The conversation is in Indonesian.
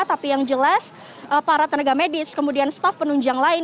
tapi yang jelas para tenaga medis kemudian staff penunjang lain